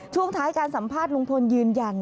ช่วงท้ายการสัมภาษณ์ลุงพลยืนยัน